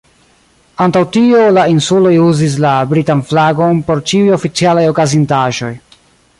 Antaŭ tio, la Insuloj uzis la britan flagon por ĉiuj oficialaj okazintaĵoj.